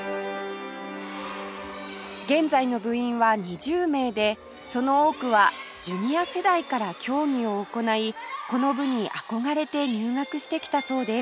現在の部員は２０名でその多くはジュニア世代から競技を行いこの部に憧れて入学してきたそうです